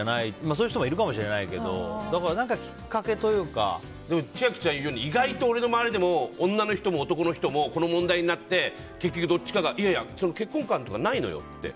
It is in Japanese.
そういう人もいるかもしれないけどだから何か千秋ちゃんが言うように意外と俺の周りでも女の人も男の人もこの問題になって結局、どっちかがいやいや結婚観とかないのよって。